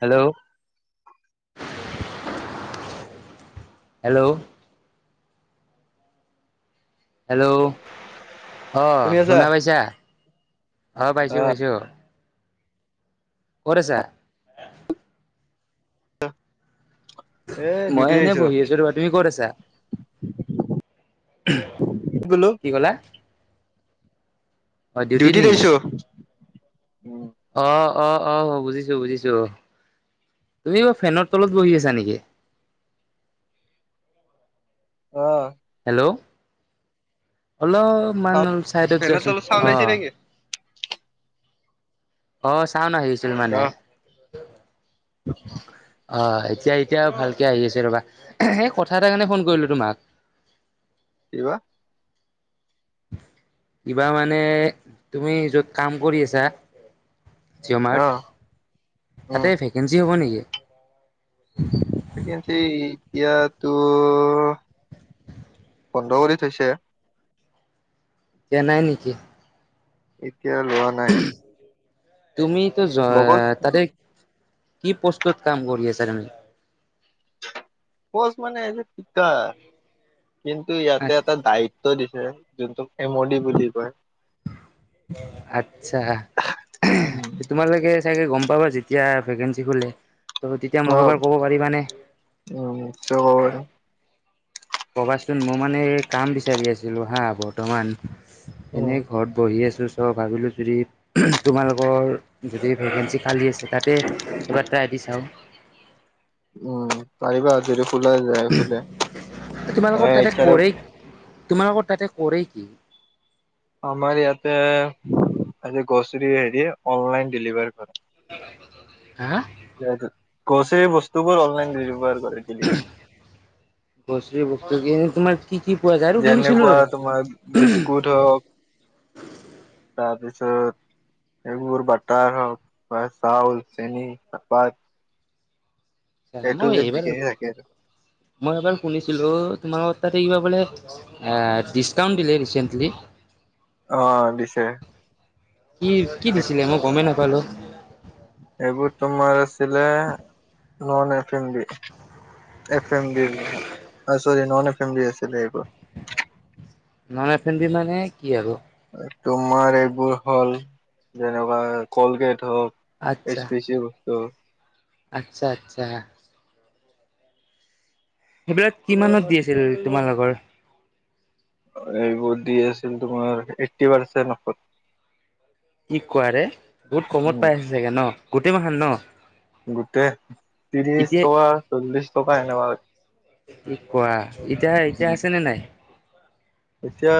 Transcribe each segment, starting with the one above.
Hello hello অ আহ শুনা পাইছা অ পাইছো পাইছো ছা [unintelligible] এ মই ডিউটিত এনেই আহিছো বহি আছো ৰবা তুমি ক'ত আছা কি কলা অ ডিউটিত নেকি অ অ অ অ বুজিছো বুজিছো তুমি বাৰু ফেনৰ তলত বহি আছা নেকি অ হেল্ল' অলপমান চাইডত ফেনৰ যোৱাচোন তলত চাউণ্ড অ আহিছে নেকি অ চাওন আহিছিল মানে অ অ এতিয়া এতিয়া ভালকে আহি আছে ৰবা সেই কথা এটাৰ কাৰণে ফোন কৰিলো তোমাক কিবা কিবা মানে তুমি যত কাম কৰি আছা জিঅ' অ মাৰ্ট উম তাতে ভেকেঞ্চি হ'ব নেকি ভেকেঞ্চি এতিয়াতো বন্ধ কৰি থৈছে কে ন নেকি [unintelligible] এতিয়া লোৱা নাই তুমি তো য ল'ব তাৰে [unintelligible] কি প্ৰস্তুত কাম কৰি আছা তুমি খজ মানে যে পিক কিন্তু ইয়াতে এটা দায়িত্ব দিছে যোনটো এমডি বুলি কয় আত্ছা তোমালোকে চাগে গম প [unintelligible] পাবা যেতিয়া ভেকেঞ্চি খোলে ত তেতিয়া অ মোক এবাৰ কব পাৰিবানে উম নিশ্চয় কব পাৰিম কবাচোন মোৰ মানে কাম বিচাৰি আছিলো হা বৰ্তমান এনে উম ঘৰত বহি আছো চ' ভাবিলোঁ যদি তোমালোকৰ যদি ভেকেঞ্চি খালী আছে তাতে ক টাই পিছাওঁ উম পাৰিবা আজদি [unintelligible] মানে তোমালোকৰ এইচ তাতে আৰে কৰেই তোমালোকৰ তাতে কৰেই [inaudible] আমাৰ ইয়াতে আ গছৰি হেৰি অনলাইন ডেলিভাৰী কৰে হা স কৈছে বস্ত [unintelligible] টোবোৰ অনলাইন ডেলিভাৰ কৰে ডেলিভাৰ গ্ৰচৰী বস্তু কি তোমাৰ কি কি পোৱা যায় আৰু শুনিছিলোঁ যেনেকুৱা ৰ'বা তোমাৰ বিস্কুট হওক তাৰপিছত এইবোৰ বাটাৰ হওক বা চাউল চেনি চপাত মই এইবাৰ থাকে আৰু মই এইবাৰ শুনিছিলো তোমাৰ তাতে কিবা বোলে ডিছকাউণ্ট দিলে ৰিচেণ্টলি অ দিছে। কি কি দিছিলে মই গমেই নাপালো এইবোৰ তোমাৰ আছিলে non F M B. F L চৰি নন এফ এমলি আছিলে এইবোৰ নন এফে মানে কি আৰু- তোমাৰ এইবোৰ হ'ল যেনেকুৱা কলগেট হওক আচ্ছা। S P C. ত আচ্ছা আচ্ছা। সেইবিলাক কিমানত দি আছিল তোমালোকৰ। এইবোৰ দি আছিল তোমাৰ এইটটি পাৰ্চেট অফাৰ। কি কোৱা ৰে বহুত কমত পাই আছে চাগে ন গোটেই মাহান ন। গোটেই ত্ৰিশ এতিয়া টকা চল্লিশ টকা এনেকুৱা। কি কোৱা এতিয়া এতিয়া উম। আছে নে নাই। এতিয়া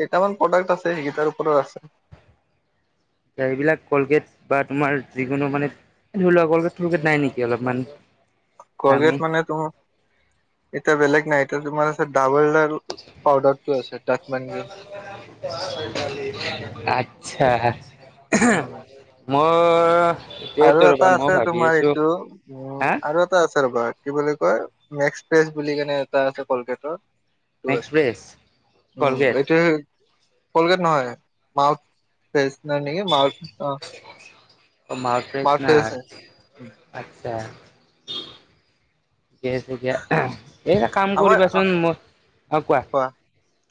কেইটামান প্ৰডাক্ট আছে সেইকেইটাৰ ওপৰত আছে। গাড়ীবিলাক কলগেট বা তোমাৰ যিকোনো মানে ধৰি লোৱা কলগেট থলগেট নাই নেকি অলপমান। কলগেট দামী মানে তুম এতিয়া বেলেগ নাই এতিয়া তোমাৰ ডাবল।। পাউদাৰটো আছে দাঁত মানজন [unintelligible] আতচ্ছা হেআ [unintelligible] [inaudible] মোৰ।। আৰু এইটোৱেতো এটা ৰ'বা মই আছে ভাবি তোমাৰ আছো এইটো উম হা আৰু এটা আছে ৰবা কি বুলি। কয় মেক্সপ্ৰেছ বুলি কেনে এটা আছে কলগেটৰ। মেক্স ফ্ৰেছ [inaudible] উম কলগেট এতিয়া কলগেট নহয় মাউথেচ। ন এনেকে মাউত অ। অপেছ মাউথ ফ্ৰেছ নাই। হয়। [unintelligible] ঠিকেই আছে দিয়া। এই কাম আমাৰ কৰিবাচোন মই অ কোৱা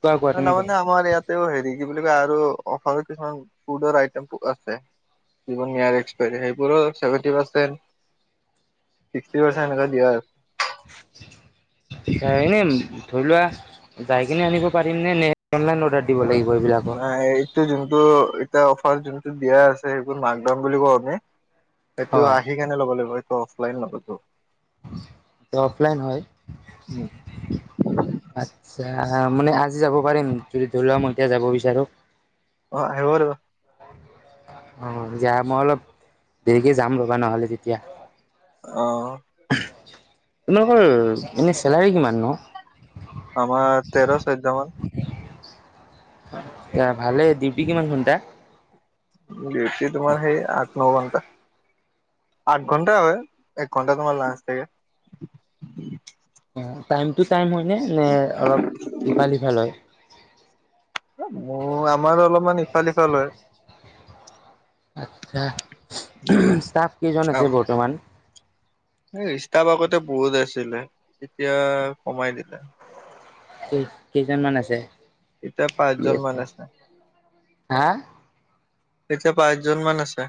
কোৱা কোৱা তুমি কোৱা। তাৰমানে আমাৰ ইয়াতেও হেৰি কি বুলি কয় আৰু অফাৰৰ কিছুমান ফুডৰ আইটম আছে। [inaudible] সেইবোৰোভেটি পাৰ্চেট। [unintelligible] ছিক্সটি পাৰ্চেণ্ট এক দিয়া আৰু। এনে ধৰি লোৱা যাই কিনে আনিব পাৰিম নে নে অনলাইন অৰ্ডাৰ দিব লাগিব। এইবিলাকৰ নাই এইটো যোনটো এতিয়া। যোনটো দিয়া আছে সেইবোৰ মাকদাম বুলি কওঁ আমি সেইটো হয় আহি কেনে ল'ব লাগিব। অফলাইন নহব। অফলাইন হয় আত। মানে আজি যাব পাৰিম যদি ধৰি লোৱা মই এতিয়া যাব বিচাৰো। অ আহিব। অ এতি মই অলপ দেৰিকে যাম ৰবা নহ'লে তেতিয়া। অ তোমালোকৰ এনে চেলাৰী কিমান নো। আমাৰ তেৰ চৈধ্য মান এ ভালেই ডিউটি কিমান ঘটা। ডিউটি তোমাৰ সেই আঠ ন ঘনটা। আঠ ঘন্টাই হয় এক ঘন্টা তোমাৰ লাঞ্চ থাকে। টাইম টু টাইম হয়নে নে অলপ ইফাল সিফাল হয়। মোৰ আমাৰ অলপমান ইফাল সিফাল হয়। আচ্ছা স্তাফ কেইজন আছে আম বৰ্তমান। ষ্টাফ আগতে বহুত আছিলে এতিয়া কমাই দিলে। এই কেইজনমান আছে। এতিয়া পাঁচজন মান আছে। হা এতিয়া পাঁচজন মান আছে।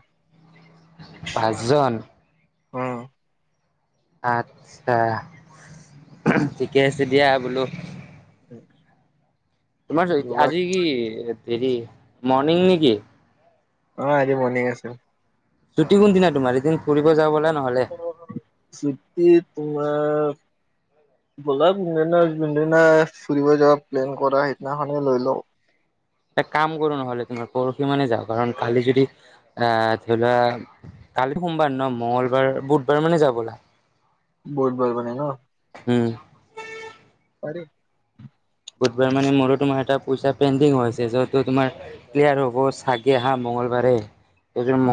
পাঁচজন। উম আতচ্ছা ঠিকে আছে দিয়া বোলো। [inaudible] তোমাৰ আজি কি হেৰি মৰ্ণিং নেকি? অহ, আজি মৰ্ণিং আছিল। ছুটী কোনদিনা তোমাৰ এদিন ফুৰিব যাও ব'লা? নহ'লে ছুটী তোমাৰ ব'লা কোনদিনা জোনদিনা ফুৰিব যাব প্লেন কৰা সিদিনাখনে লৈ লও। এটা কাম কৰো ন'হলে তোমাৰ পৰহি মানে যাও কাৰণ কালি যদি আহ ধৰি লোৱা কালি সোমবাৰ ন মঙ্লবাৰ, বুধবাৰ মানে যাও বলা? বুধবাৰ মানে ন'। উম। পাৰি। বুধবাৰ মানে মোৰো তোমাৰ এটা পইচা পেণ্ডিং হৈছে যটো তোমাৰ ক্লিয়াৰ হ'ব চাগে হা মঙগলবাৰে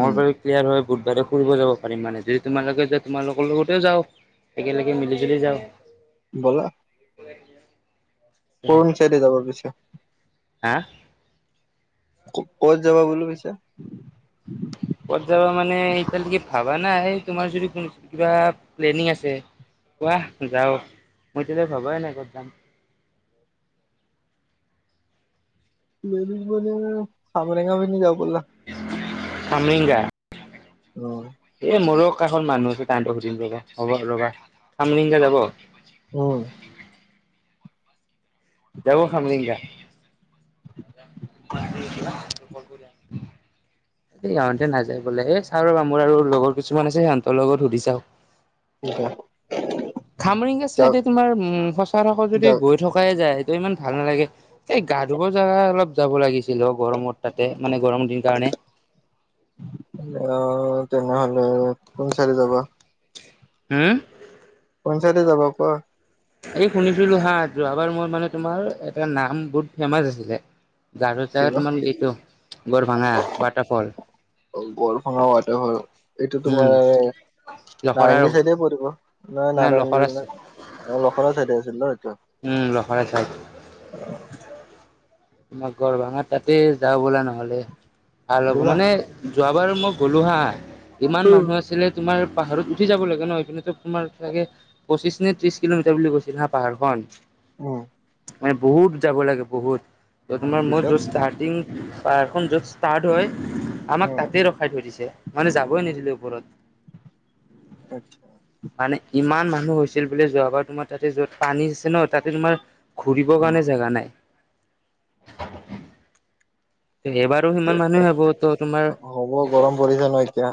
উম, ক্লিয়াৰ হয় বুধবাৰে ফুৰিব যাব পাৰিম মানে যদি তোমালোকে যোৱা তোমালোকৰ লগতেও যাও। একেলগে মিলি -জুলি যাওঁ। ব'লা। [inaudible] কোন চাইডে যাব পিছে? হা? ক'ত যাবা বোলো পিছে? ক'ত যাবা মানে এতিয়ালৈকে ভাবা নাই তোমাৰ যদি ক -কিবা প্লেনিং আছে কোৱা যাও মই এতিয়ালৈ ভবাই নাই কত যাম। [inaudible] [unintelligible] সামৰেঙা পিনে যাওঁ বলা? সামৰিংগা উম, এ মোৰ [unintelligible] মানুহ আছে তাহাঁতক সুধিম ৰবা হ'ব ৰবা সামৰিংগা যাব। উম যাব খামৰিংগা? [inaudible] মই আৰু এতিয়া [unintelligible] ইহতে নাযায় বোলে এ চাও ৰবা মোৰ আৰু লগৰ কিছুমান আছে সিহঁতৰ লগত সুধি চাও। [unintelligible] খামৰিঙগা যাওঁ চাইডে তোমাৰ উম সচাৰচৰ যদি যাওঁ গৈ থকাই যায় তে ইমান ভাল নালাগে এই গা ধুব জাগা অলপ যাব লাগিছিল [unintelligible] গৰমত তাতে মানে গৰম দিন কাৰণে অ', তেনেহলে কোন চাইডে যাবা? হম? কোন চাইডে যাবা কোৱা? এই শুনিছিলো হা যোৱাবাৰ মই মানে তোমাৰ এটা নাম বহুত ফেমাচ আছিলে জাগাতো কিবা তোমাৰ এইটো গৰ ভাঙা ৱাটাৰফল। গৰফঙা ৱাটাৰফল এইটো উম তোমাৰ লখৰাৰ নাৰেংগী চাইডে পৰিব। নহয় নে নাৰেঙ্গী লখৰা নহয় অহ লখৰা চাইডে আছিল ন' এটো। উম, লখৰা চাইড। তোমাৰ গৰ ভাঙা তাতে যাওঁ বলা ন'হলে ভাল হ'ব বোলা। মানে যোৱাবাৰ মই গ'লো হা ইমান মানুহ আছিলে তোমাৰ পাহাৰত উঠি যাব লাগে ন এইপিনে পাহাৰত পাহাৰত উঠি যাব লাগে সেইপিনে তোমাৰ চাগে পঁচিশ নে ত্ৰিশ কিলোমিটাৰ বুলি কৈছিল হা পাহাৰখন উম মানে বহুত যাব লাগে বহুত তোমাৰ মই পিছত য'ত ষ্টাৰ্টিং পাহাৰখন যত ষ্টাৰ্ট আমাক উম, তাতে ৰখাই থৈ দিছে মানুহ যাবই নিদিলে ওপৰত। আত্ছা। [unintelligible] মানে ইমান মানুহ হৈছিল বুলি যোৱাবাৰ তোমাৰ তাতে যত পানী আছে ন তাতে তোমাৰ ঘুৰিবৰ কাৰণে জেগা নাই এইবাৰো সিমান মানুহে হব ত তোমাৰ হ'ব গৰম পৰিছে ন' এতিয়া।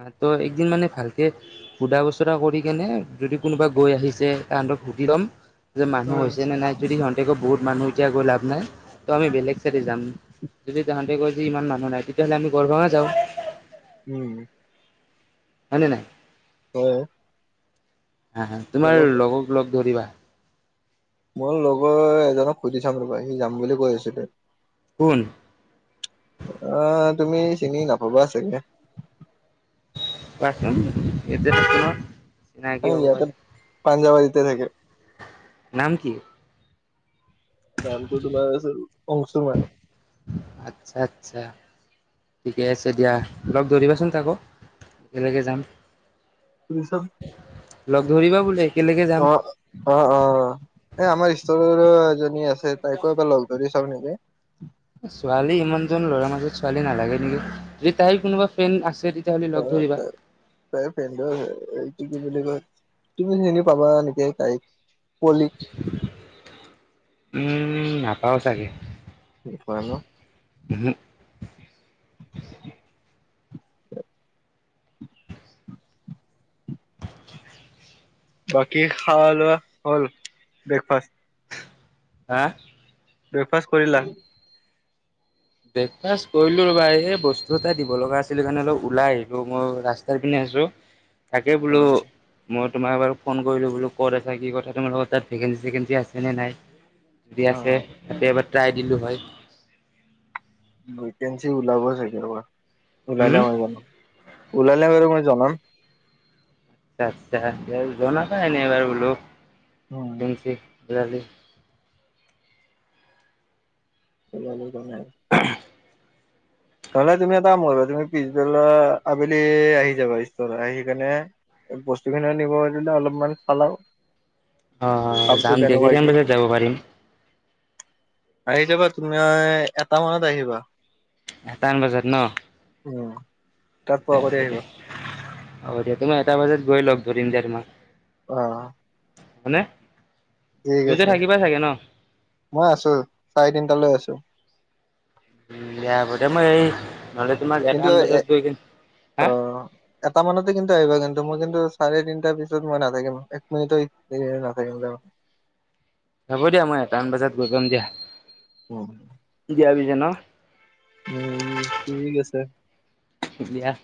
আহ ত একদিন মানে ভালকে সুধা বচৰা কৰি কেনে যদি কোনোবা গৈ আহিছে তাহাঁতক সুধি লম যে মানুহ হৈছেনে নাই, যদি সিহঁতে কয় বহুত মানুহ এতিয়া গৈ লাভ নাই ত' আমি বেলেগ চাইড যাম যদি তাহাঁতে কৈ যে ইমান মানুহ নাই তেতিয়াহ'লে আমি গড়গাঁৱয়ে যাওঁ উম হয় নে নাই! হয়। হা- হা যাব তোমাৰ পা লগক লগ ধৰিবা। মোৰ লগৰ এজনক সুধি চাম ৰবা সি যাম বুলি কৈ আছিলে। কোন? আহ, তুমি চিনি নাপাবা চাগে পচ এতি [unintelligible] নাই কি হব ইয়াতে পাৰে পাঞ্জাৱাৰীতে থাকে। নাম কি নামটো তোমাৰ আছে অংশুৰমান আচ্ছা আচ্ছা ঠিকে আছে দিয়া লগ ধৰিবা চোন তাকো একেলগে যাম লগ ধৰিবা বোলে একেলগে যাম। অ অ অ এই আমাৰ স্তৰৰে এজনী আছে তাইকো এবাৰ লগ ধৰি চাও নেকি ছোৱালী ইমানজন ল'ৰাৰ ছোৱালী নালাগে নেকি যদি তাইৰ কোনোবা ফ্ৰেণ্ড আছে তেতিয়াহ'লে অ লগ ত ধৰিবা। প [unintelligible] কি বুলি কয় তুমি চিনি পাবা নেকি তাইক কলি উম নেপাও চাগে ফ ন [unintelligible] ওহো বাকী খোৱা লোৱা হ'ল ব্ৰেকফাষ্ট হা ব্ৰেকফাষ্ট কৰিলা! ব্ৰেকফাষ্ট কৰিলো ৰ'বা এই বস্তু এটা দিব লগা আছিলে স কাৰণে অলপ ওলাই আহিলো মই ৰাস্তাৰ পিনে তাকে অ বোলো ম তোমাক বাৰু ফোন কৰি্লো বোলো ক'ত আছ কি কথা তোমাৰ লগৰ তাত ভেকেঞ্চি চেকেঞ্চি আছে নে নাই। যদি অ আছে তাতে এবাৰ ট্ৰাই দিলো হয়। ভেকেঞ্চি ওলাব চাগে ৰবা, ওলালে হুম, ওলালে বাৰু মই জনাম আ আচ্ছা জনাবা ইনেই এবাৰ বোলো, উম ভেকেন্সি বিৰালী [unintelligible] এইাল ন [unintelligible] নহলে তুমি এটা কৰিবা তুমি পিছবেলা আবেলি আহি যাবা আহি কেনে [unintelligible] বস্তু খিনিও নিব দিলে অলপমান খাল আৰু অ যাম দিয়া কেইটান বজাত যাব পাৰিম আহি যাবা তুমি এটা মানত আহিবা এটা মান বজাত ন হব উম তাত পোৱা দে কৰি আহিবা হ'ব দিয়া তোমাৰ এটা বজাত গৈ লওক ধৰিম দোৰ মাহ আহ হয়নে ঠিক আছে মই আছো চাৰে তিনটা লৈ আছো দিয়া হব্ দিয়া, মই সেই কিন্তু এ হা অ এটা মানতে কিন্তু আহিবা কিন্তু মোৰ কিন্তু চাৰে তিনটাৰ পিছত মই নাথাকিম এক মিনিটো নাথাকিম যাব- [unintelligible] হ'ব দিয়া মই এটামান বজাত গৈ পাম দিয়া- অ- য়াছে ন- [unintelligible] ঠিক আছে এতিয়া -